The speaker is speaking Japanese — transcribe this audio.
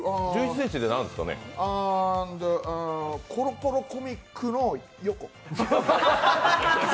アーンド・コロコロコミックの横。